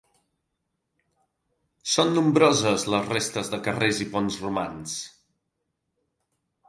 Són nombroses les restes de carrers i ponts romans.